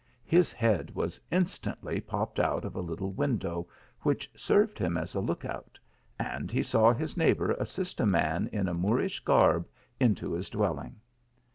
His head was instantly popped out of a little window which served him as a look out, and he saw his neighbour assist a man in a Moorish garb into his dwelling.